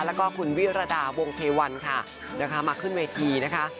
แล้วก็คุณวิรดาวงเทวันค่ะนะคะมาขึ้นเวทีนะคะ